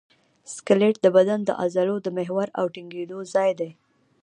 سکلیټ د بدن د عضلو د محور او ټینګېدو ځای دی.